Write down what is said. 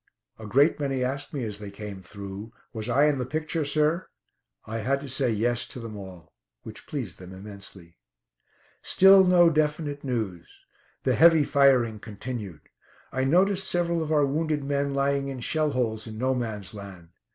A great many asked me as they came through: "Was I in the picture, sir?" I had to say "yes" to them all, which pleased them immensely. Still no definite news. The heavy firing continued. I noticed several of our wounded men lying in shell holes in "No Man's Land."